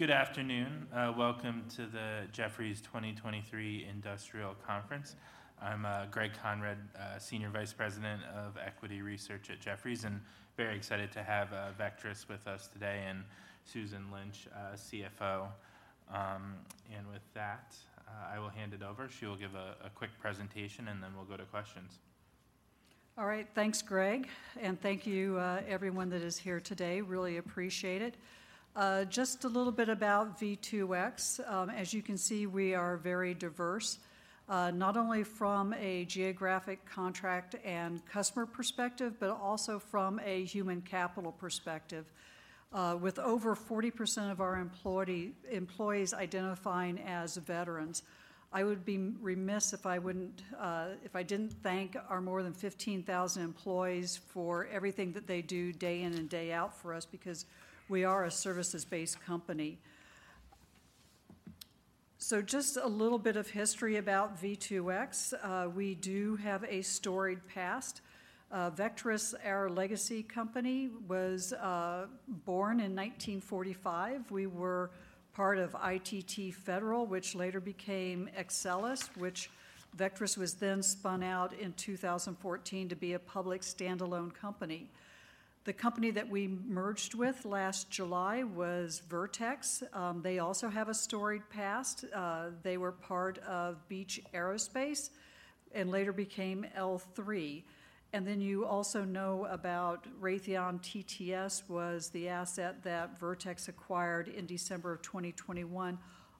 Good afternoon. Welcome to the Jefferies 2023 Industrial Conference. I'm Greg Konrad, Senior Vice President of Equity Research at Jefferies, and very excited to have Vectrus with us today, and Susan Lynch, CFO. With that, I will hand it over. She will give a quick presentation, and then we'll go to questions. All right. Thanks, Greg, and thank you, everyone that is here today. Really appreciate it. Just a little bit about V2X. As you can see, we are very diverse, not only from a geographic contract and customer perspective, but also from a human capital perspective, with over 40% of our employees identifying as veterans. I would be remiss if I wouldn't, if I didn't thank our more than 15,000 employees for everything that they do day in and day out for us, because we are a services-based company. So just a little bit of history about V2X. We do have a storied past. Vectrus, our legacy company, was born in 1945. We were part of ITT Federal, which later became Exelis, which Vectrus was then spun out in 2014 to be a public stand-alone company. The company that we merged with last July was Vertex. They also have a storied past. They were part of Beech Aerospace and later became L-3. And then you also know about Raytheon TTS was the asset that Vertex acquired in December of 2021.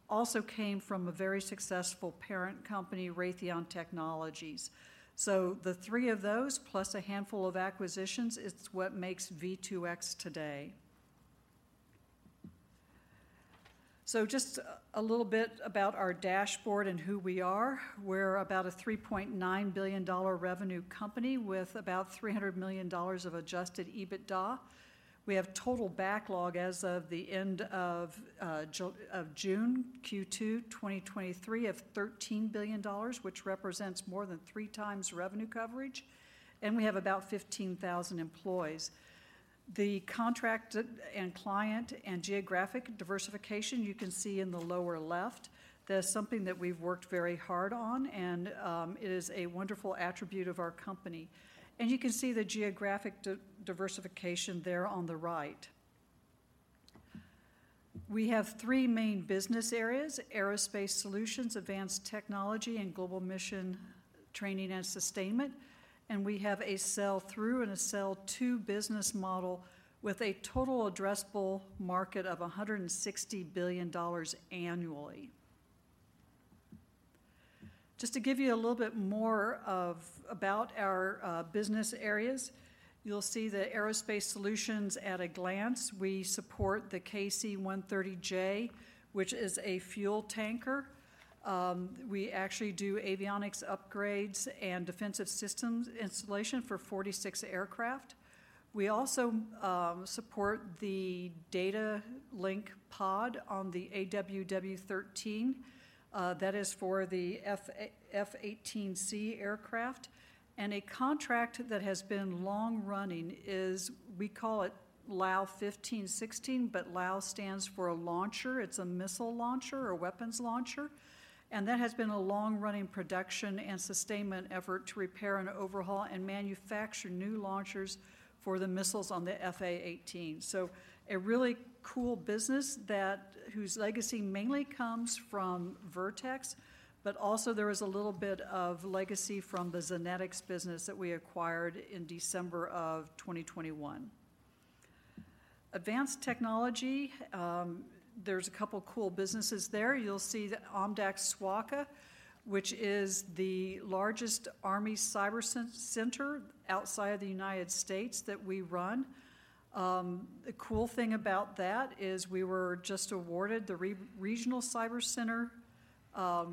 Also came from a very successful parent company, Raytheon Technologies. So the three of those, plus a handful of acquisitions, it's what makes V2X today. So just a little bit about our dashboard and who we are. We're about a $3.9 billion revenue company with about $300 million of adjusted EBITDA. We have total backlog as of the end of June, Q2 2023, of $13 billion, which represents more than three times revenue coverage, and we have about 15,000 employees. The contract and client and geographic diversification, you can see in the lower left. That's something that we've worked very hard on, and it is a wonderful attribute of our company. You can see the geographic diversification there on the right. We have three main business areas: Aerospace Solutions, Advanced Technology, and Global Mission Training and Sustainment. We have a sell-through and a sell-to business model with a total addressable market of $160 billion annually. Just to give you a little bit more about our business areas, you'll see the Aerospace Solutions at a glance. We support the KC-130J, which is a fuel tanker. We actually do avionics upgrades and defensive systems installation for 46 aircraft. We also support the data link pod on the AN/AWW-13. That is for the F/A-18C aircraft. And a contract that has been long-running is, we call it LAU-115/116, but LAU stands for a launcher. It's a missile launcher or weapons launcher, and that has been a long-running production and sustainment effort to repair and overhaul and manufacture new launchers for the missiles on the F/A-18. So a really cool business that whose legacy mainly comes from Vertex, but also there is a little bit of legacy from the Zenetex business that we acquired in December of 2021. Advanced Technology, there's a couple cool businesses there. You'll see the OMDAC-SWACA, which is the largest Army cyber center outside of the United States that we run. The cool thing about that is we were just awarded the regional cyber center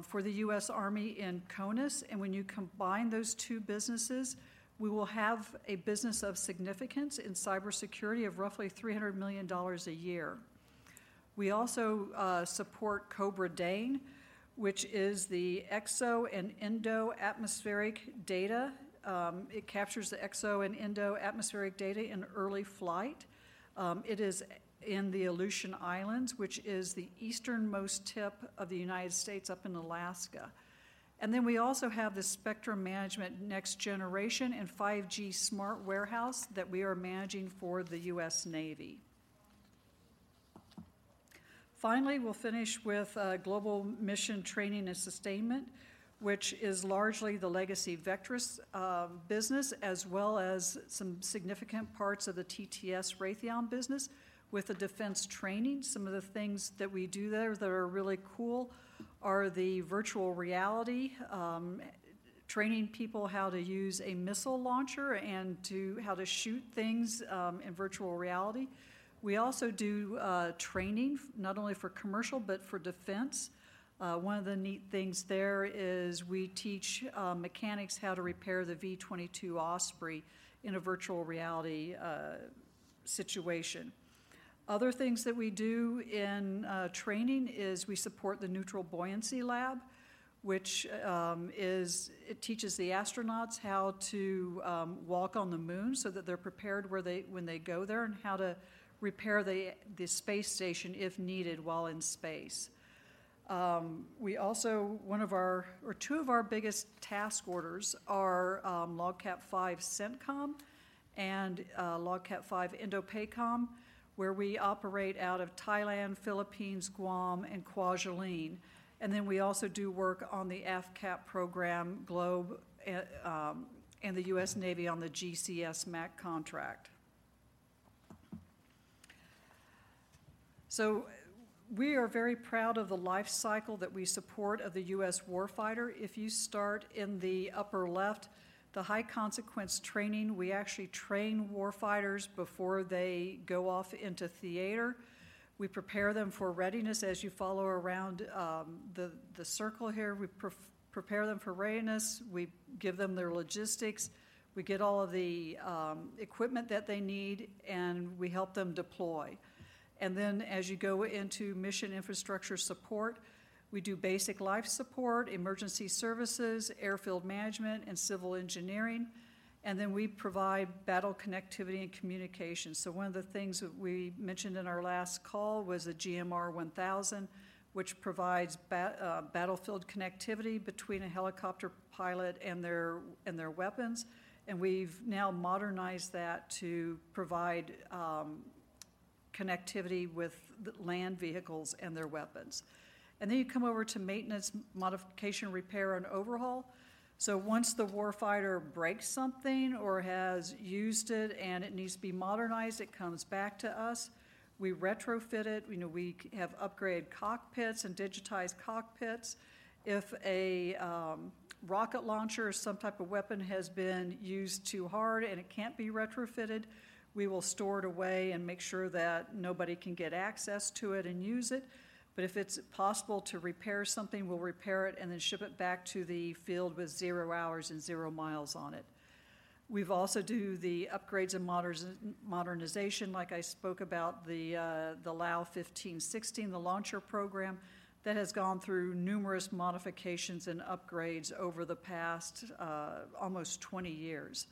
for the U.S. Army in CONUS, and when you combine those two businesses, we will have a business of significance in cybersecurity of roughly $300 million a year. We also support Cobra Dane, which is the exo- and endo-atmospheric data. It captures the exo- and endo-atmospheric data in early flight. It is in the Aleutian Islands, which is the easternmost tip of the United States up in Alaska. And then we also have the Spectrum Management Next Generation and 5G Smart Warehouse that we are managing for the U.S. Navy. Finally, we'll finish with Global Mission Training and Sustainment, which is largely the legacy Vectrus business, as well as some significant parts of the TTS Raytheon business with the defense training. Some of the things that we do there that are really cool are the virtual reality training people how to use a missile launcher and how to shoot things in virtual reality. We also do training, not only for commercial, but for defense. One of the neat things there is we teach mechanics how to repair the V-22 Osprey in a virtual reality situation. Other things that we do in training is we support the Neutral Buoyancy Lab, which is it teaches the astronauts how to walk on the moon so that they're prepared when they go there, and how to repair the space station, if needed, while in space. We also, one of our or two of our biggest task orders are LOGCAP V CENTCOM and LOGCAP V INDOPACOM, where we operate out of Thailand, Philippines, Guam, and Kwajalein. And then we also do work on the AFCAP program globally, and the U.S. Navy on the GCS-MAC contract. So we are very proud of the life cycle that we support of the U.S. warfighter. If you start in the upper left, the high-consequence training, we actually train warfighters before they go off into theater. We prepare them for readiness. As you follow around the circle here, we prepare them for readiness, we give them their logistics, we get all of the equipment that they need, and we help them deploy. And then, as you go into mission infrastructure support, we do basic life support, emergency services, airfield management, and civil engineering, and then we provide battle connectivity and communication. So one of the things that we mentioned in our last call was the GMR-1000, which provides battlefield connectivity between a helicopter pilot and their, and their weapons. And we've now modernized that to provide connectivity with the land vehicles and their weapons. And then you come over to maintenance, modification, repair, and overhaul. So once the warfighter breaks something or has used it and it needs to be modernized, it comes back to us. We retrofit it. You know, we have upgraded cockpits and digitized cockpits. If a rocket launcher or some type of weapon has been used too hard and it can't be retrofitted, we will store it away and make sure that nobody can get access to it and use it. But if it's possible to repair something, we'll repair it and then ship it back to the field with zero hours and zero miles on it. We've also do the upgrades and modernization, like I spoke about, the LAU-115/116, the launcher program, that has gone through numerous modifications and upgrades over the past almost 20 years.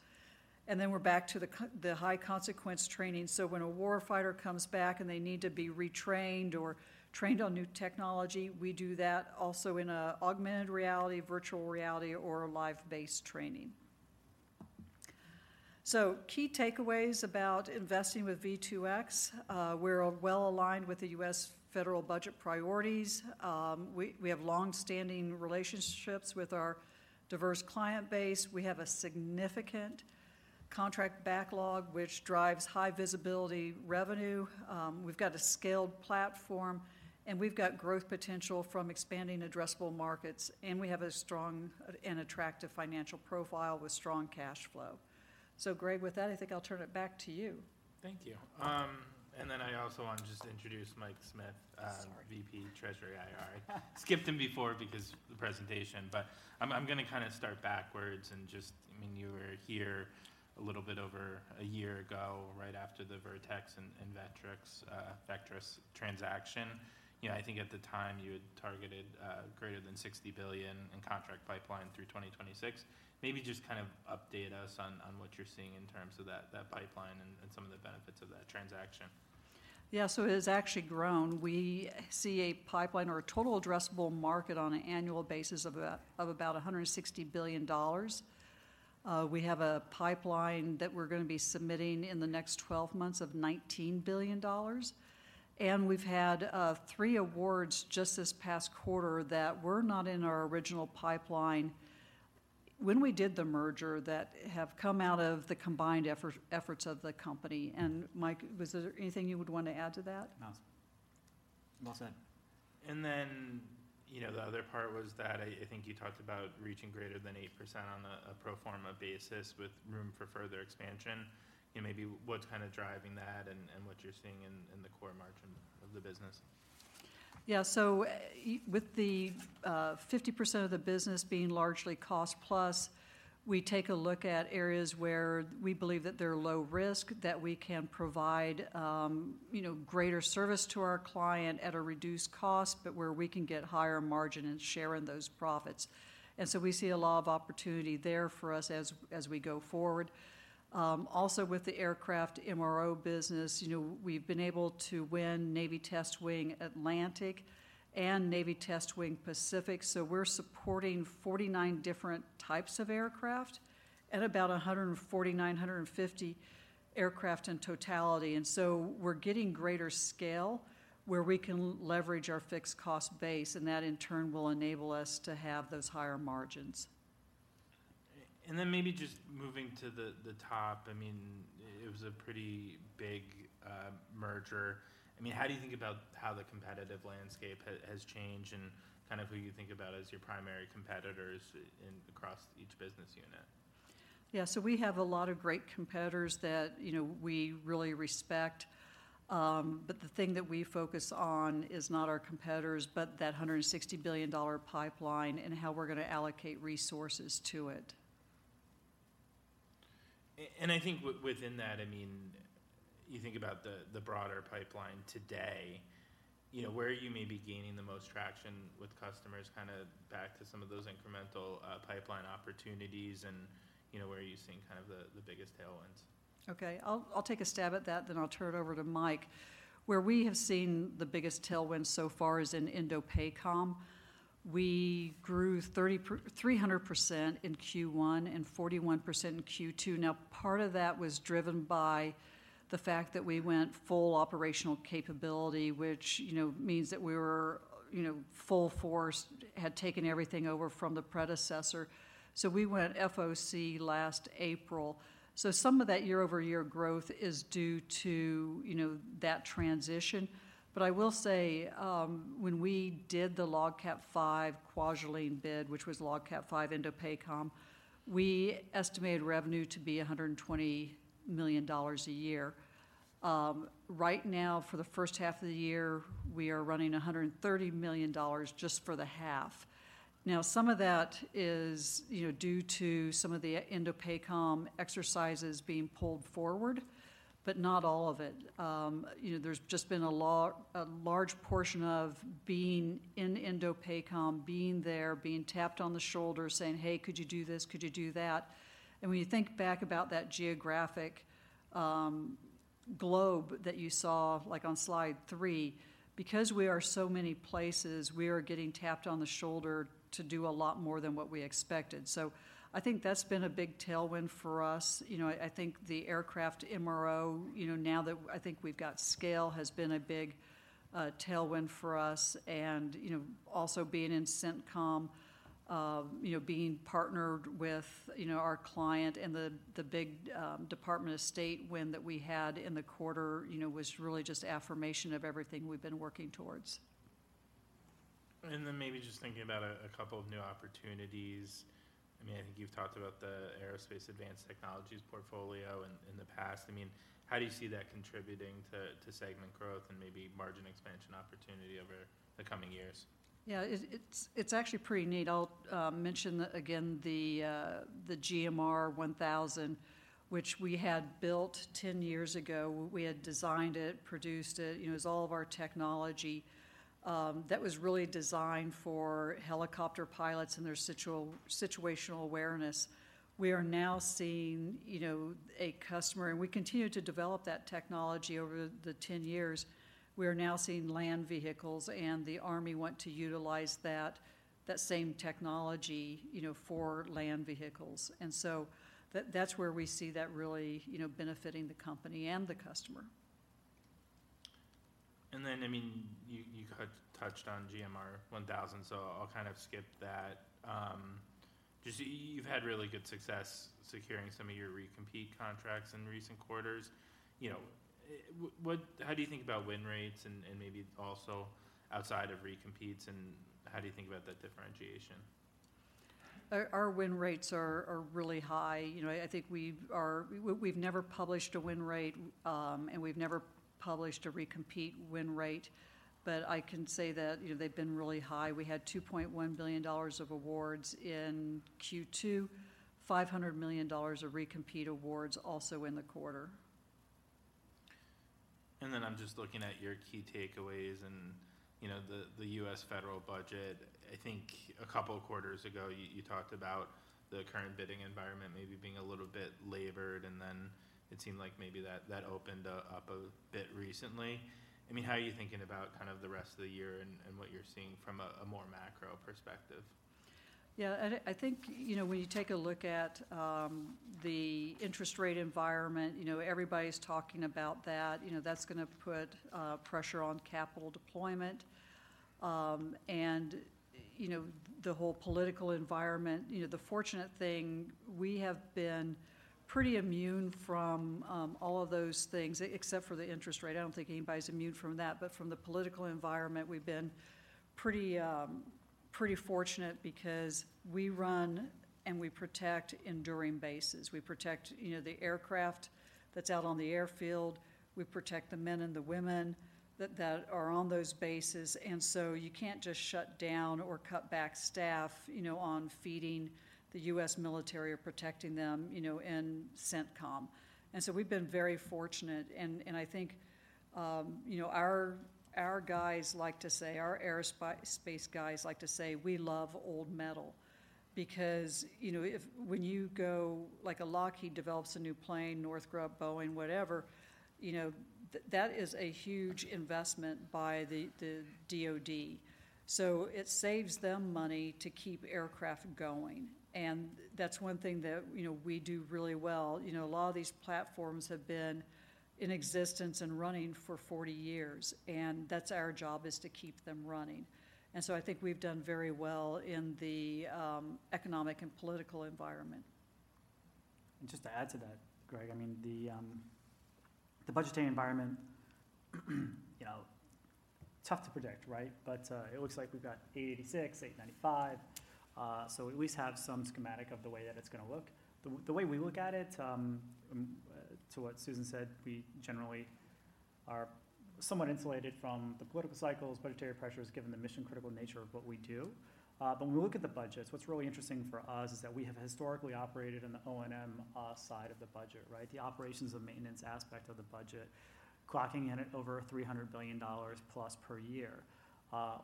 And then we're back to the high-consequence training. So when a warfighter comes back and they need to be retrained or trained on new technology, we do that also in augmented reality, virtual reality, or a live-based training. So key takeaways about investing with V2X, we're well-aligned with the U.S. federal budget priorities. We have long-standing relationships with our diverse client base. We have a significant contract backlog, which drives high-visibility revenue. We've got a scaled platform, and we've got growth potential from expanding addressable markets, and we have a strong and attractive financial profile with strong cash flow. So Greg, with that, I think I'll turn it back to you. Thank you. And then I also want to just introduce Mike Smith,... VP Treasury, IR. Skipped him before because the presentation. But I'm gonna kind of start backwards and just... I mean, you were here a little bit over a year ago, right after the Vertex and Vectrus transaction. You know, I think at the time, you had targeted greater than $60 billion in contract pipeline through 2026. Maybe just kind of update us on what you're seeing in terms of that pipeline and some of the benefits of that transaction. Yeah, so it has actually grown. We see a pipeline or a total addressable market on an annual basis of about $160 billion. We have a pipeline that we're gonna be submitting in the next 12 months of $19 billion, and we've had three awards just this past quarter that were not in our original pipeline when we did the merger, that have come out of the combined efforts of the company. Mike, was there anything you would want to add to that? No. Well said. And then, you know, the other part was that I, I think you talked about reaching greater than 8% on a, a pro forma basis, with room for further expansion. You know, maybe what's kind of driving that and, and what you're seeing in, in the core margin of the business? Yeah. So with the 50% of the business being largely cost plus, we take a look at areas where we believe that they're low risk, that we can provide, you know, greater service to our client at a reduced cost, but where we can get higher margin and share in those profits. And so we see a lot of opportunity there for us as we go forward. Also with the aircraft MRO business, you know, we've been able to win Navy Test Wing Atlantic and Navy Test Wing Pacific, so we're supporting 49 different types of aircraft and about 149, 150 aircraft in totality. And so we're getting greater scale, where we can leverage our fixed cost base, and that, in turn, will enable us to have those higher margins. Then maybe just moving to the top, I mean, it was a pretty big merger. I mean, how do you think about how the competitive landscape has changed and kind of who you think about as your primary competitors in across each business unit? Yeah. So we have a lot of great competitors that, you know, we really respect, but the thing that we focus on is not our competitors, but that $160 billion pipeline and how we're gonna allocate resources to it. And I think within that, I mean, you think about the broader pipeline today, you know, where are you maybe gaining the most traction? Customers, kind of back to some of those incremental pipeline opportunities and, you know, where are you seeing kind of the biggest tailwinds? Okay, I'll take a stab at that, then I'll turn it over to Mike. Where we have seen the biggest tailwind so far is in INDOPACOM. We grew 300% in Q1 and 41% in Q2. Now, part of that was driven by the fact that we went full operational capability, which, you know, means that we were, you know, full force, had taken everything over from the predecessor. So we went FOC last April. So some of that year-over-year growth is due to, you know, that transition. But I will say, when we did the LOGCAP V Kwajalein bid, which was LOGCAP V INDOPACOM, we estimated revenue to be $120 million a year. Right now, for the first half of the year, we are running $130 million just for the half. Now, some of that is, you know, due to some of the INDOPACOM exercises being pulled forward, but not all of it. You know, there's just been a large portion of being in INDOPACOM, being there, being tapped on the shoulder, saying: "Hey, could you do this? Could you do that?" And when you think back about that geographic globe that you saw, like on slide three, because we are so many places, we are getting tapped on the shoulder to do a lot more than what we expected. So I think that's been a big tailwind for us. You know, I, I think the aircraft MRO, you know, now that I think we've got scale, has been a big tailwind for us. You know, also being in CENTCOM, you know, being partnered with, you know, our client and the big Department of State win that we had in the quarter, you know, was really just affirmation of everything we've been working towards. And then maybe just thinking about a couple of new opportunities. I mean, I think you've talked about the Aerospace Advanced Technologies portfolio in the past. I mean, how do you see that contributing to segment growth and maybe margin expansion opportunity over the coming years? Yeah, it's actually pretty neat. I'll mention again the GMR-1000, which we had built 10 years ago. We had designed it, produced it, you know, it was all of our technology that was really designed for helicopter pilots and their situational awareness. We are now seeing, you know, a customer and we continued to develop that technology over the 10 years. We are now seeing land vehicles, and the Army want to utilize that same technology, you know, for land vehicles. And so that's where we see that really, you know, benefiting the company and the customer. Then, I mean, you had touched on GMR-1000, so I'll kind of skip that. Just you've had really good success securing some of your recompete contracts in recent quarters. You know, what, how do you think about win rates and, and maybe also outside of recompetes, and how do you think about that differentiation? Our win rates are really high. You know, I think we are—we've never published a win rate, and we've never published a recompete win rate, but I can say that, you know, they've been really high. We had $2.1 billion of awards in Q2, $500 million of recompete awards also in the quarter. Then I'm just looking at your key takeaways and, you know, the U.S. federal budget. I think a couple of quarters ago, you talked about the current bidding environment maybe being a little bit labored, and then it seemed like maybe that opened up a bit recently. I mean, how are you thinking about kind of the rest of the year and what you're seeing from a more macro perspective? Yeah, I think, you know, when you take a look at the interest rate environment, you know, everybody's talking about that. You know, that's gonna put pressure on capital deployment. And, you know, the whole political environment, you know, the fortunate thing, we have been pretty immune from all of those things, except for the interest rate. I don't think anybody's immune from that. But from the political environment, we've been pretty fortunate because we run and we protect enduring bases. We protect, you know, the aircraft that's out on the airfield. We protect the men and the women that are on those bases. And so you can't just shut down or cut back staff, you know, on feeding the US military or protecting them, you know, in CENTCOM. And so we've been very fortunate, and I think, you know, our guys like to say, our aerospace guys like to say, "We love old metal." Because, you know, if when you go... Like, a Lockheed develops a new plane, Northrop, Boeing, whatever, you know, that is a huge investment by the DoD. So it saves them money to keep aircraft going, and that's one thing that, you know, we do really well. You know, a lot of these platforms have been in existence and running for 40 years, and that's our job, is to keep them running. And so I think we've done very well in the economic and political environment. And just to add to that, Greg, I mean, the budgetary environment, you know, tough to predict, right? But it looks like we've got $886 billion-$895 billion, so we at least have some schematic of the way that it's gonna look. The way we look at it, to what Susan said, we generally are somewhat insulated from the political cycles, budgetary pressures, given the mission-critical nature of what we do. But when we look at the budgets, what's really interesting for us is that we have historically operated in the O&M side of the budget, right? The operations and maintenance aspect of the budget, clocking in at over $300 billion+ per year.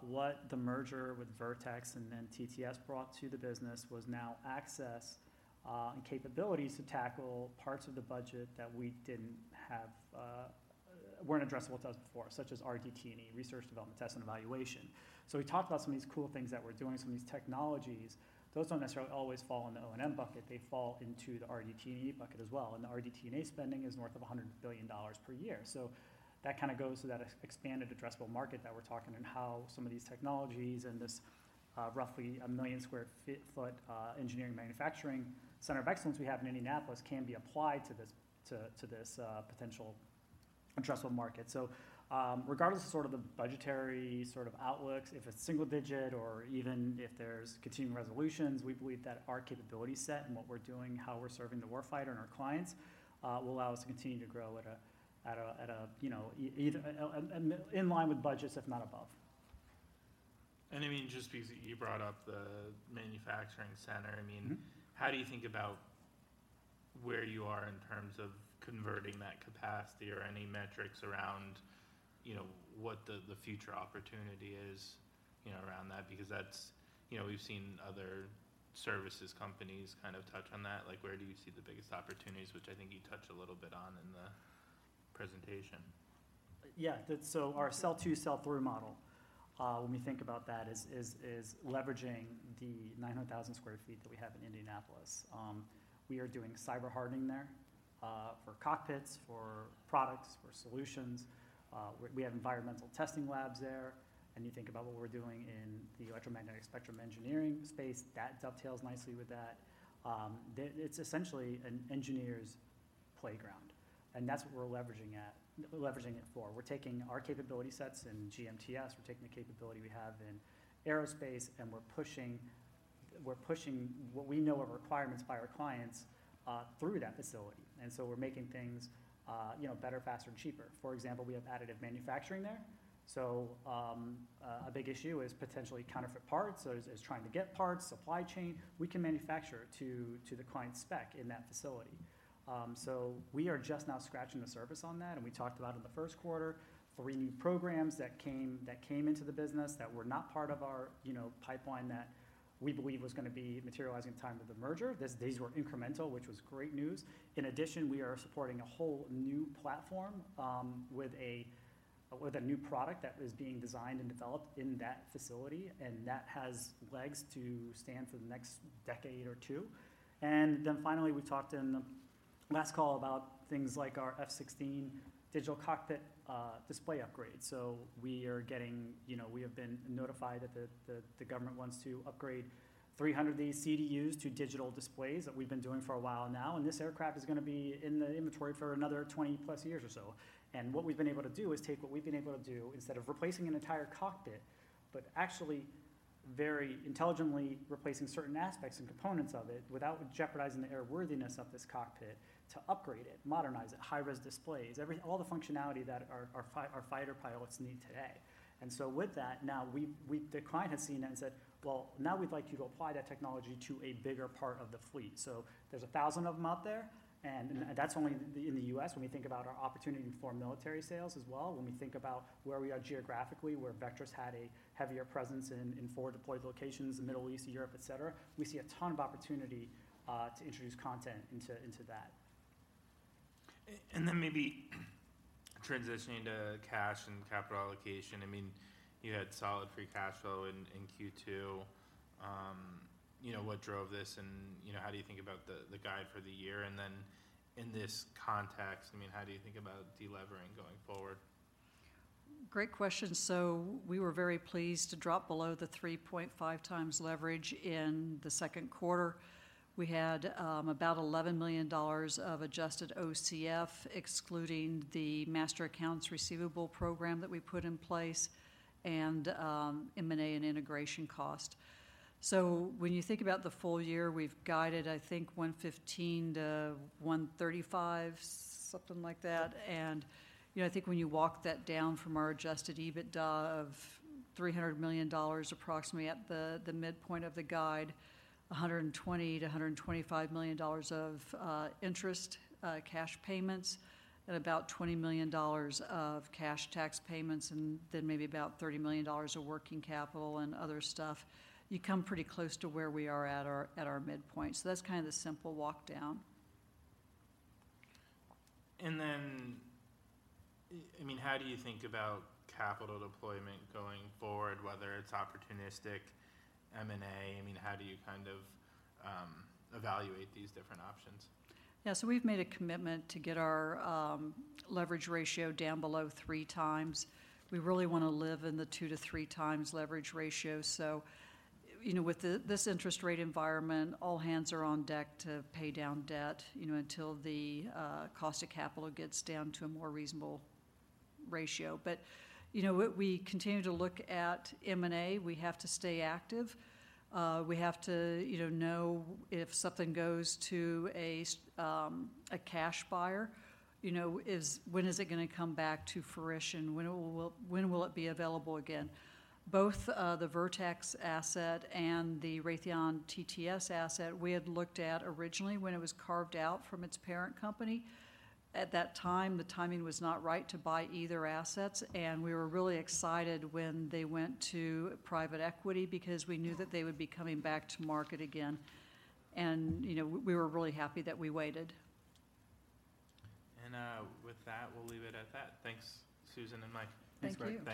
What the merger with Vertex and then TTS brought to the business was now access and capabilities to tackle parts of the budget that we didn't have, weren't addressable to us before, such as RDT&E, Research, Development, Test, and Evaluation. So we talked about some of these cool things that we're doing, some of these technologies. Those don't necessarily always fall in the O&M bucket. They fall into the RDT&E bucket as well, and the RDT&E spending is north of $100 billion per year. So that kind of goes to that expanded addressable market that we're talking and how some of these technologies and this roughly 1 million sq ft engineering manufacturing center of excellence we have in Indianapolis can be applied to this potential addressable market. So, regardless of the budgetary outlooks, if it's single digit or even if there's continuing resolutions, we believe that our capability set and what we're doing, how we're serving the war fighter and our clients, will allow us to continue to grow at a, you know, even in line with budgets, if not above. I mean, just because you brought up the manufacturing center, I mean- Mm-hmm. How do you think about where you are in terms of converting that capacity or any metrics around, you know, what the, the future opportunity is, you know, around that? Because that's, you know, we've seen other services companies kind of touch on that. Like, where do you see the biggest opportunities, which I think you touched a little bit on in the presentation? Yeah, that. So our sell-to, sell-through model, when we think about that, is leveraging the 900,000 sq ft that we have in Indianapolis. We are doing cyber hardening there, for cockpits, for products, for solutions. We have environmental testing labs there. And you think about what we're doing in the electromagnetic spectrum engineering space, that dovetails nicely with that. It's essentially an engineer's playground, and that's what we're leveraging it for. We're taking our capability sets in GMTS, we're taking the capability we have in aerospace, and we're pushing what we know are requirements by our clients, through that facility. And so we're making things, you know, better, faster, and cheaper. For example, we have additive manufacturing there. So, a big issue is potentially counterfeit parts, or is trying to get parts, supply chain. We can manufacture to the client's spec in that facility. So we are just now scratching the surface on that, and we talked about in the first quarter three new programs that came into the business that were not part of our, you know, pipeline that we believe was gonna be materializing at the time of the merger. These were incremental, which was great news. In addition, we are supporting a whole new platform with a new product that is being designed and developed in that facility, and that has legs to stand for the next decade or two. And then finally, we talked in the last call about things like our F-16 digital cockpit display upgrade. So we are getting... You know, we have been notified that the government wants to upgrade 300 of these CDUs to digital displays that we've been doing for a while now, and this aircraft is gonna be in the inventory for another 20+ years or so. And what we've been able to do is take what we've been able to do instead of replacing an entire cockpit, but actually very intelligently replacing certain aspects and components of it without jeopardizing the airworthiness of this cockpit, to upgrade it, modernize it, high-res displays, all the functionality that our fighter pilots need today. And so with that, now we—the client has seen it and said, "Well, now we'd like you to apply that technology to a bigger part of the fleet." So there's 1,000 of them out there, and that's only in the U.S. When we think about our opportunity for military sales as well, when we think about where we are geographically, where Vectrus had a heavier presence in four deployed locations, the Middle East, Europe, et cetera, we see a ton of opportunity to introduce content into that. And then maybe transitioning to cash and capital allocation. I mean, you had solid free cash flow in Q2. You know, what drove this, and, you know, how do you think about the guide for the year? And then in this context, I mean, how do you think about delevering going forward? Great question. So we were very pleased to drop below the 3.5x leverage in the second quarter. We had about $11 million of adjusted OCF, excluding the master accounts receivable program that we put in place and M&A and integration cost. So when you think about the full year, we've guided, I think, $115 million-$135 million, something like that. And, you know, I think when you walk that down from our adjusted EBITDA of $300 million, approximately at the midpoint of the guide, $120 million-$125 million of interest cash payments, and about $20 million of cash tax payments, and then maybe about $30 million of working capital and other stuff, you come pretty close to where we are at our midpoint. So that's kind of the simple walkdown. I mean, how do you think about capital deployment going forward, whether it's opportunistic, M&A? I mean, how do you kind of evaluate these different options? Yeah. So we've made a commitment to get our leverage ratio down below 3 times. We really wanna live in the 2-3 times leverage ratio. So, you know, with this interest rate environment, all hands are on deck to pay down debt, you know, until the cost of capital gets down to a more reasonable ratio. But, you know, we continue to look at M&A. We have to stay active. We have to, you know, know if something goes to a cash buyer, you know, when is it gonna come back to fruition? When will, when will it be available again? Both the Vertex asset and the Raytheon TTS asset, we had looked at originally when it was carved out from its parent company. At that time, the timing was not right to buy either assets, and we were really excited when they went to private equity because we knew that they would be coming back to market again. You know, we were really happy that we waited. With that, we'll leave it at that. Thanks, Susan and Mike. Thank you.